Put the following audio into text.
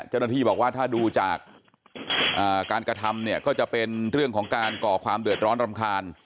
เจ้าหน้าที่บอกว่าถ้าดูจากการกระทำเนี่ยก็จะเป็นเรื่องของการก่อความเดือดร้อนรำคาญ